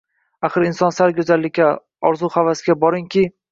Axir inson sal go`zallikka, orzu-havasga, boringki